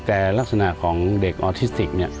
แต่ลักษณะของเด็กออทิสติก